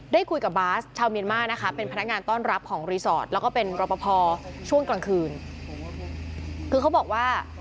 ได้คุยกับบ๊าซชาวเมียนมาร์นะคะ